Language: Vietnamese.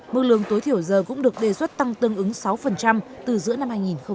mức lương tối thiểu giờ cũng được đề xuất tăng tương ứng sáu từ giữa năm hai nghìn hai mươi